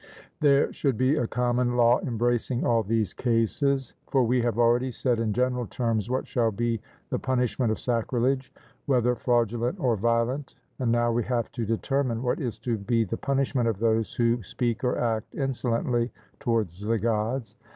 There should be a common law embracing all these cases. For we have already said in general terms what shall be the punishment of sacrilege, whether fraudulent or violent, and now we have to determine what is to be the punishment of those who speak or act insolently toward the Gods.